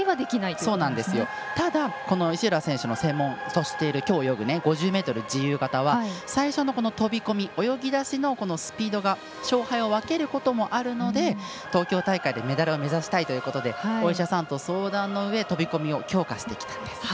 ただ、石浦選手の専門としているきょう泳ぐ５０ｍ自由形は最初の飛び込み泳ぎだしのスピードが勝敗を分けることもあるので東京大会でメダルを目指したいということでお医者さんと相談のうえ飛び込みを強化してきたんです。